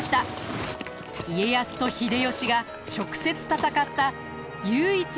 家康と秀吉が直接戦った唯一の大戦です。